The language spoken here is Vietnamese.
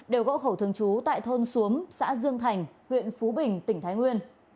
đều gỗ khẩu thường trú tại thôn xuống xã dương thành huyện phú bình tỉnh thái nguyên